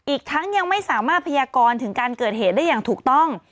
อีกทั้งยังไม่สามารถพยากรถึงการเกิดเหตุได้อย่างถูกต้อง